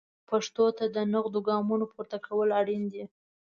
پښتو ته د نغدو ګامونو پورته کول اړین دي.